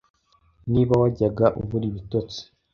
Niba wajyaga ubura ibitotsi